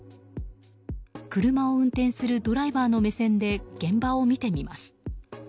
車を運転するドライバーの目線で現場を見てみます。